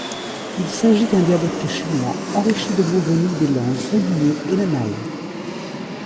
Il s'agit d'un dialecte chinois enrichi de mots venus des langues oudihé et nanaï.